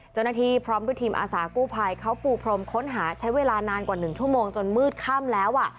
เจ้าหน้าที่พร้อมด้วยทีมอาสากู้ภัยเขาปูพรมค้นหาใช้เวลานานกว่า๑ชั่วโมงจนมืดค่ำแล้ว